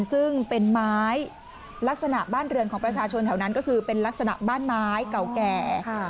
ซึ่งเป็นไม้ลักษณะบ้านเรือนของประชาชนแถวนั้นก็คือเป็นลักษณะบ้านไม้เก่าแก่